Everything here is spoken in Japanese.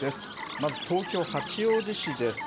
まず東京・八王子市です。